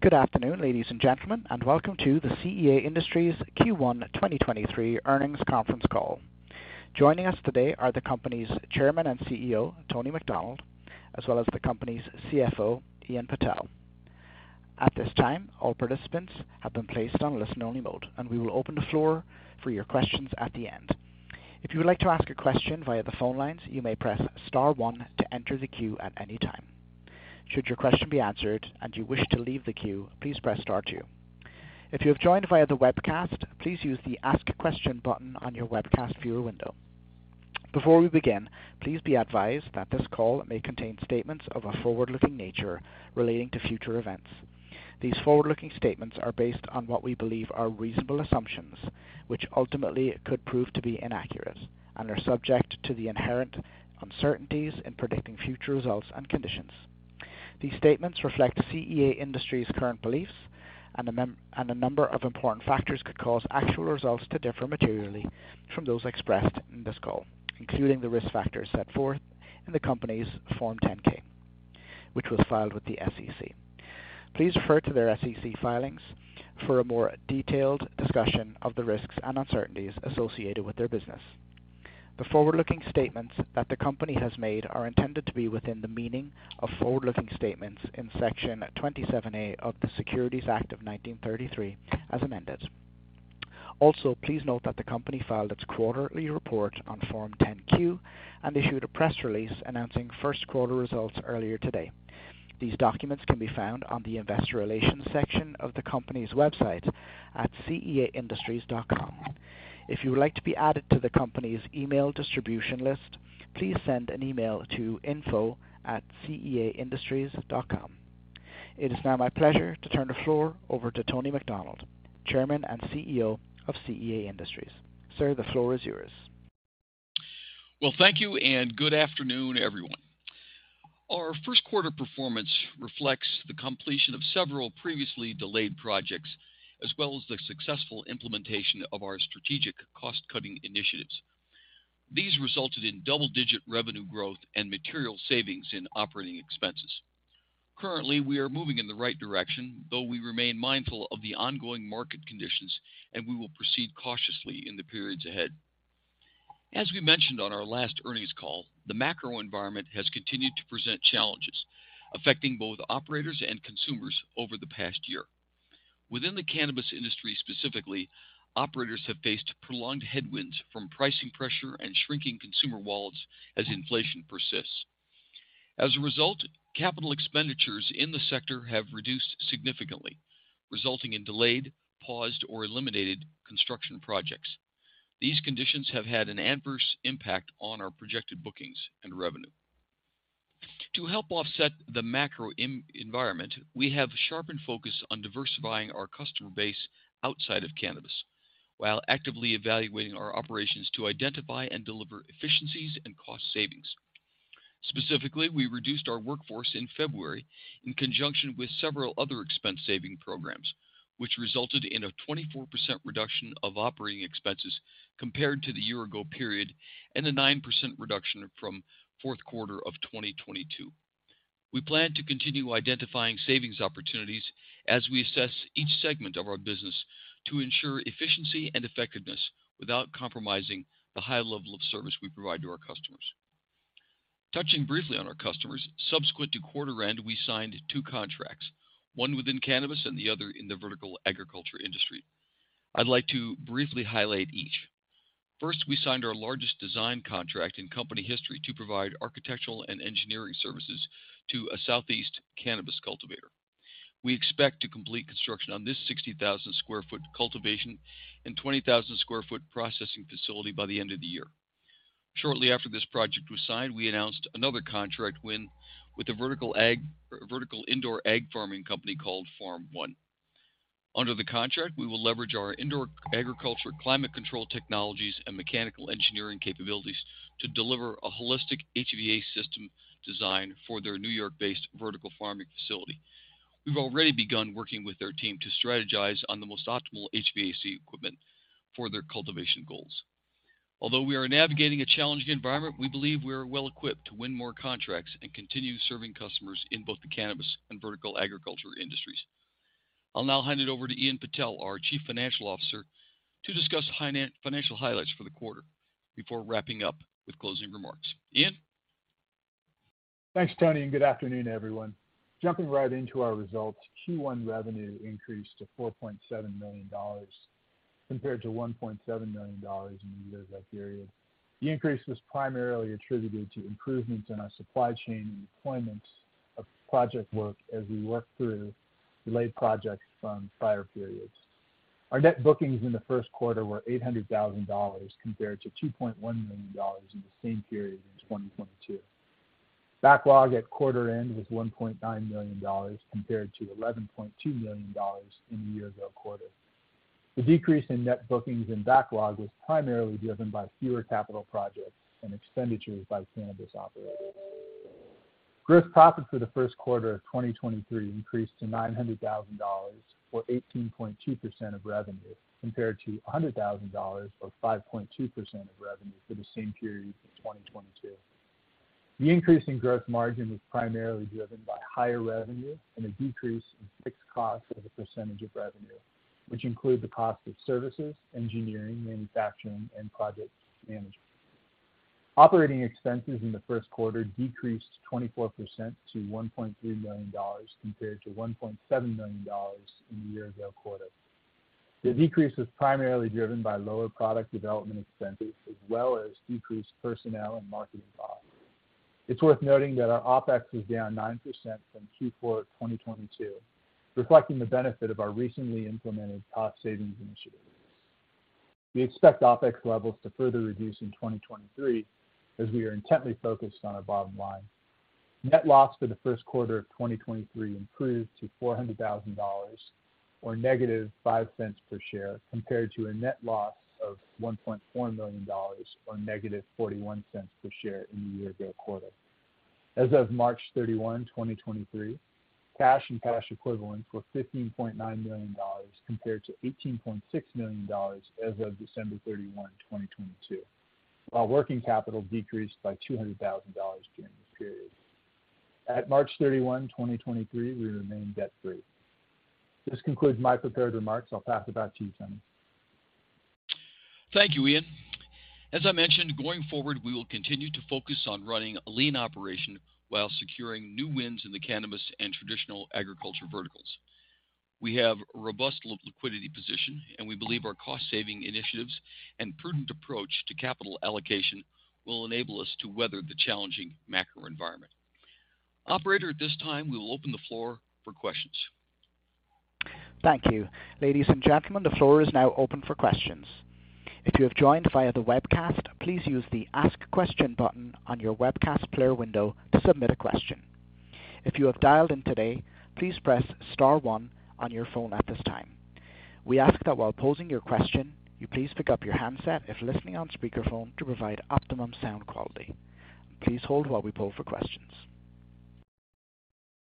Good afternoon, ladies and gentlemen, welcome to the CEA Industries Q1 2023 earnings conference call. Joining us today are the company's Chairman and CEO, Tony McDonald, as well as the company's CFO, Ian Patel. At this time, all participants have been placed on listen-only mode. We will open the floor for your questions at the end. If you would like to ask a question via the phone lines, you may press star one to enter the queue at any time. Should your question be answered and you wish to leave the queue, please press star two. If you have joined via the webcast, please use the Ask a Question button on your webcast viewer window. Before we begin, please be advised that this call may contain statements of a forward-looking nature relating to future events. These forward-looking statements are based on what we believe are reasonable assumptions, which ultimately could prove to be inaccurate and are subject to the inherent uncertainties in predicting future results and conditions. These statements reflect CEA Industries' current beliefs and a number of important factors could cause actual results to differ materially from those expressed in this call, including the risk factors set forth in the company's Form 10-K, which was filed with the SEC. Please refer to their SEC filings for a more detailed discussion of the risks and uncertainties associated with their business. The forward-looking statements that the company has made are intended to be within the meaning of forward-looking statements in Section 27A of the Securities Act of 1933, as amended. Please note that the company filed its quarterly report on Form 10-Q and issued a press release announcing first quarter results earlier today. These documents can be found on the Investor Relations section of the company's website at ceaindustries.com. If you would like to be added to the company's email distribution list, please send an email to info@ceaindustries.com. It is now my pleasure to turn the floor over to Tony McDonald, Chairman and CEO of CEA Industries. Sir, the floor is yours. Well, thank you, and good afternoon, everyone. Our first quarter performance reflects the completion of several previously delayed projects, as well as the successful implementation of our strategic cost-cutting initiatives. These resulted in double-digit revenue growth and material savings in OpEx. Currently, we are moving in the right direction, though we remain mindful of the ongoing market conditions, and we will proceed cautiously in the periods ahead. As we mentioned on our last earnings call, the macro environment has continued to present challenges affecting both operators and consumers over the past year. Within the cannabis industry, specifically, operators have faced prolonged headwinds from pricing pressure and shrinking consumer wallets as inflation persists. As a result, capital expenditures in the sector have reduced significantly, resulting in delayed, paused, or eliminated construction projects. These conditions have had an adverse impact on our projected bookings and revenue. To help offset the macro environment, we have sharpened focus on diversifying our customer base outside of cannabis while actively evaluating our operations to identify and deliver efficiencies and cost savings. Specifically, we reduced our workforce in February in conjunction with several other expense-saving programs, which resulted in a 24% reduction of operating expenses compared to the year-ago period and a 9% reduction from fourth quarter of 2022. We plan to continue identifying savings opportunities as we assess each segment of our business to ensure efficiency and effectiveness without compromising the high level of service we provide to our customers. Touching briefly on our customers, subsequent to quarter end, we signed two contracts, one within cannabis and the other in the vertical agriculture industry. I'd like to briefly highlight each. We signed our largest design contract in company history to provide architectural and engineering services to a southeast cannabis cultivator. We expect to complete construction on this 60,000 sq ft cultivation and 20,000 sq ft processing facility by the end of the year. Shortly after this project was signed, we announced another contract win with a vertical indoor ag farming company called Farm.One. Under the contract, we will leverage our indoor agriculture climate control technologies and mechanical engineering capabilities to deliver a holistic HVAC system design for their New York-based vertical farming facility. We've already begun working with their team to strategize on the most optimal HVAC equipment for their cultivation goals. We are navigating a challenging environment, we believe we are well equipped to win more contracts and continue serving customers in both the cannabis and vertical agriculture industries. I'll now hand it over to Ian Patel, our Chief Financial Officer, to discuss financial highlights for the quarter before wrapping up with closing remarks. Ian. Thanks, Tony. Good afternoon, everyone. Jumping right into our results, Q1 revenue increased to $4.7 million compared to $1.7 million in the year-ago period. The increase was primarily attributed to improvements in our supply chain and deployment of project work as we work through delayed projects from prior periods. Our net bookings in the first quarter were $0.8 million compared to $2.1 million in the same period in 2022. Backlog at quarter end was $1.9 million compared to $11.2 million in the year-ago quarter. The decrease in net bookings and backlog was primarily driven by fewer capital projects and expenditures by cannabis operators. Gross profit for the first quarter of 2023 increased to $0.9 million or 18.2% of revenue, compared to $100,000 or 5.2% of revenue for the same period in 2022. The increase in growth margin was primarily driven by higher revenue and a decrease in fixed costs as a percentage of revenue, which include the cost of services, engineering, manufacturing, and project management. Operating expenses in the first quarter decreased 24% to $1.3 million compared to $1.7 million in the year ago quarter. The decrease was primarily driven by lower product development expenses as well as decreased personnel and marketing costs. It's worth noting that our OpEx was down 9% from Q4 2022, reflecting the benefit of our recently implemented cost savings initiatives. We expect OpEx levels to further reduce in 2023 as we are intently focused on our bottom line. Net loss for the first quarter of 2023 improved to $0.4 million or -$0.05 per share, compared to a net loss of $1.4 million, or -$0.41 per share in the year ago quarter. As of March 31, 2023, cash and cash equivalents were $15.9 million compared to $18.6 million as of December 31, 2022, while working capital decreased by $0.2 million during this period. At March 31, 2023, we remain debt-free. This concludes my prepared remarks. I'll pass it back to you, Tony. Thank you, Ian. As I mentioned, going forward, we will continue to focus on running a lean operation while securing new wins in the cannabis and traditional agriculture verticals. We have a robust liquidity position, and we believe our cost-saving initiatives and prudent approach to capital allocation will enable us to weather the challenging macro environment. Operator, at this time, we will open the floor for questions. Thank you. Ladies and gentlemen, the floor is now open for questions. If you have joined via the webcast, please use the Ask Question button on your webcast player window to submit a question. If you have dialed in today, please press star one on your phone at this time. We ask that while posing your question, you please pick up your handset if listening on speakerphone to provide optimum sound quality. Please hold while we poll for questions.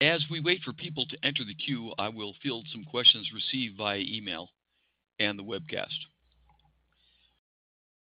As we wait for people to enter the queue, I will field some questions received via email and the webcast.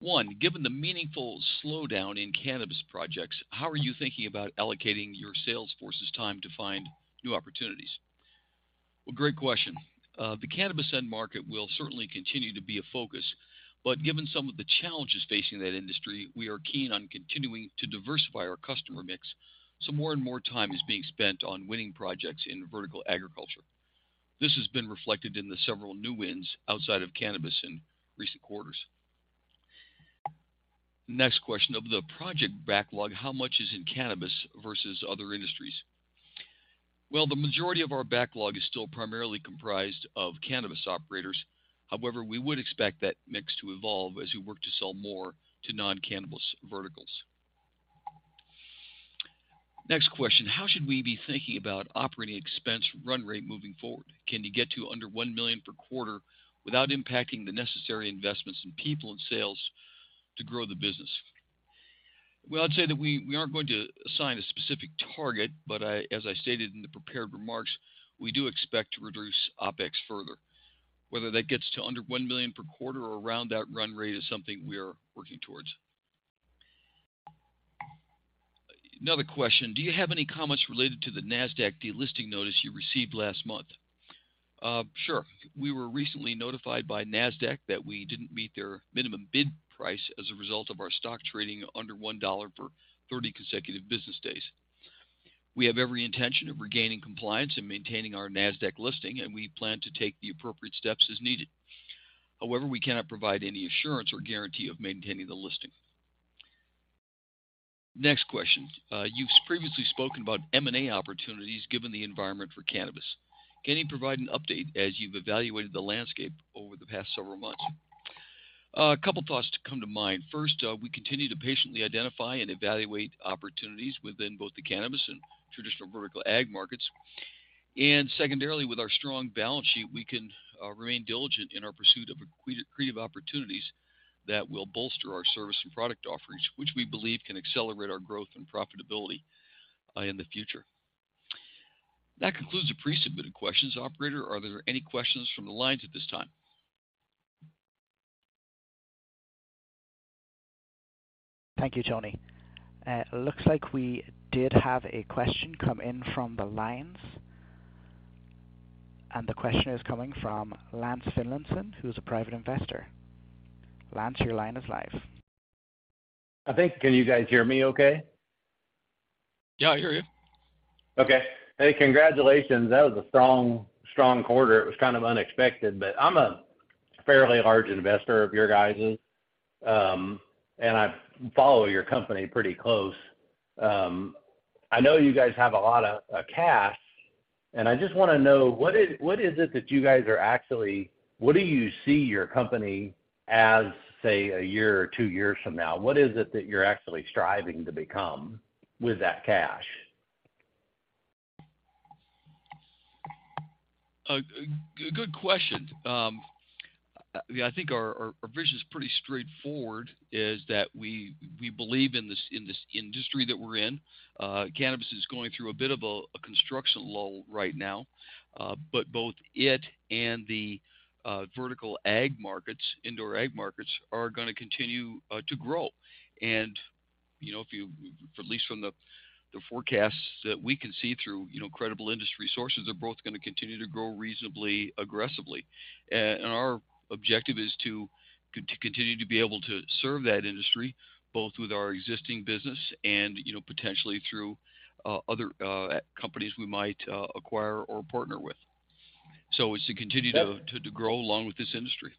One, given the meaningful slowdown in cannabis projects, how are you thinking about allocating your sales force's time to find new opportunities? Well, great question. The cannabis end market will certainly continue to be a focus, but given some of the challenges facing that industry, we are keen on continuing to diversify our customer mix, so more and more time is being spent on winning projects in vertical agriculture. This has been reflected in the several new wins outside of cannabis in recent quarters. Next question. Of the project backlog, how much is in cannabis versus other industries? Well, the majority of our backlog is still primarily comprised of cannabis operators. However, we would expect that mix to evolve as we work to sell more to non-cannabis verticals. Next question. How should we be thinking about operating expense run rate moving forward? Can you get to under $1 million per quarter without impacting the necessary investments in people and sales to grow the business? Well, I'd say that we aren't going to assign a specific target, but as I stated in the prepared remarks, we do expect to reduce OpEx further. Whether that gets to under $1 million per quarter or around that run rate is something we are working towards. Another question. Do you have any comments related to the Nasdaq delisting notice you received last month? Sure. We were recently notified by Nasdaq that we didn't meet their minimum bid price as a result of our stock trading under $1 per 30 consecutive business days. We have every intention of regaining compliance and maintaining our Nasdaq listing. We plan to take the appropriate steps as needed. However, we cannot provide any assurance or guarantee of maintaining the listing. Next question. You've previously spoken about M&A opportunities given the environment for cannabis. Can you provide an update as you've evaluated the landscape over the past several months? A couple thoughts come to mind. First, we continue to patiently identify and evaluate opportunities within both the cannabis and traditional vertical ag markets. Secondarily, with our strong balance sheet, we can remain diligent in our pursuit of accretive opportunities that will bolster our service and product offerings, which we believe can accelerate our growth and profitability in the future. That concludes the pre-submitted questions. Operator, are there any questions from the lines at this time? Thank you, Tony. It looks like we did have a question come in from the lines, and the question is coming from Lance Finlayson, who is a private investor. Lance, your line is live. Can you guys hear me okay? Yeah, I hear you. Okay. Hey, congratulations. That was a strong quarter. It was kind of unexpected, but I'm a fairly large investor of your guys', I follow your company pretty close. I know you guys have a lot of cash, I just wanna know what do you see your company as, say, a year or 2 years from now? What is it that you're actually striving to become with that cash? A good question. Yeah, I think our vision is pretty straightforward, is that we believe in this industry that we're in. Cannabis is going through a bit of a construction lull right now. Both it and the vertical ag markets, indoor ag markets are gonna continue to grow. You know, at least from the forecasts that we can see through, you know, credible industry sources, they're both gonna continue to grow reasonably aggressively. Our objective is to continue to be able to serve that industry, both with our existing business and, you know, potentially through other companies we might acquire or partner with. It's to continue to. Yeah to grow along with this industry.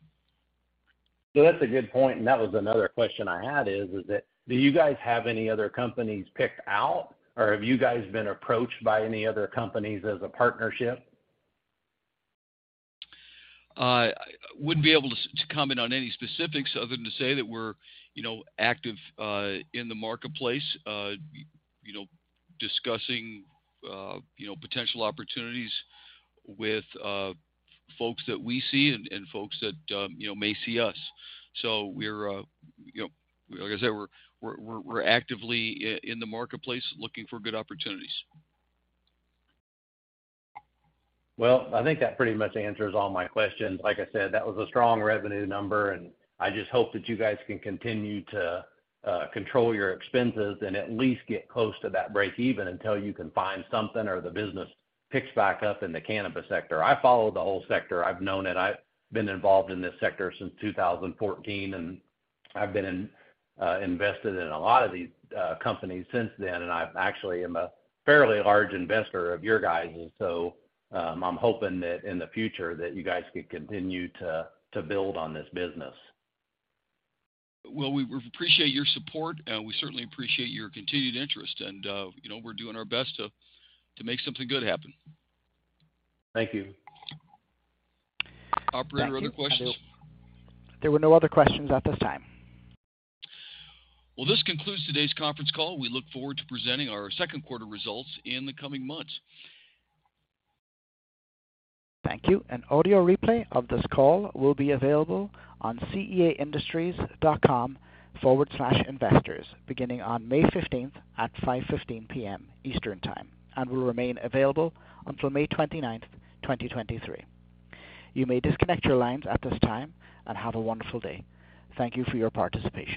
That's a good point, and that was another question I had is that do you guys have any other companies picked out or have you guys been approached by any other companies as a partnership? I wouldn't be able to comment on any specifics other than to say that we're, you know, active in the marketplace, you know, discussing, you know, potential opportunities with folks that we see and folks that, you know, may see us. We're, you know, like I said, we're actively in the marketplace looking for good opportunities. Well, I think that pretty much answers all my questions. Like I said, that was a strong revenue number, and I just hope that you guys can continue to control your expenses and at least get close to that break even until you can find something or the business picks back up in the cannabis sector. I follow the whole sector. I've known it. I've been involved in this sector since 2014. I've been invested in a lot of these companies since then. I actually am a fairly large investor of your guys'. I'm hoping that in the future that you guys can continue to build on this business. Well, we appreciate your support, and we certainly appreciate your continued interest. You know, we're doing our best to make something good happen. Thank you. Operator, are there other questions? There were no other questions at this time. Well, this concludes today's conference call. We look forward to presenting our second quarter results in the coming months. Thank you. An audio replay of this call will be available on ceaindustries.com/investors beginning on May 15th at 5:15 P.M. Eastern Time, and will remain available until May 29th, 2023. You may disconnect your lines at this time, and have a wonderful day. Thank you for your participation.